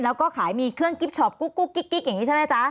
แล้วก็ขายมีเครื่องกิ๊บช็อปกุ๊กกิ๊กอย่างนี้ใช่ไหมจ๊ะ